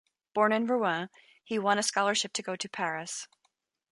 Born in Rouen, he won a scholarship to go to Paris.